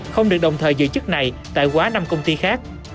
không được đồng thời giữ chức này tại quá năm công ty khác